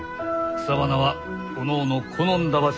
草花はおのおの好んだ場所に生える。